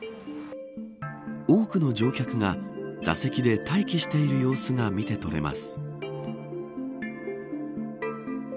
多くの乗客が座席で待機している様子が見てとれます。